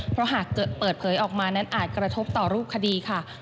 เพราะหากเปิดเผยออกมานั้นอาจกระทบต่อรูปคดีค่ะ